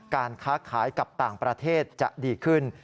การค้าขายกับต่างประเทศจะดีขึ้น